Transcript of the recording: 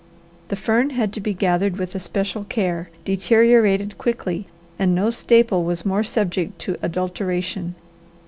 The fern had to be gathered with especial care, deteriorated quickly, and no staple was more subject to adulteration.